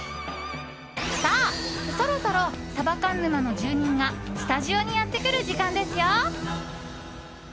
さあ、そろそろサバ缶沼の住人がスタジオにやってくる時間ですよ。